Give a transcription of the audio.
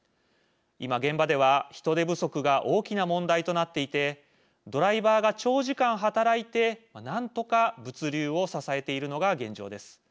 今現場では人手不足が大きな問題となっていてドライバーが長時間働いてなんとか物流を支えているのが現状です。